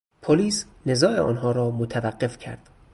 پلیس نزاع آنها را متوقف کرد.